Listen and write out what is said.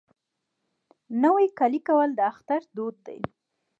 نوی کالی کول د اختر دود دی.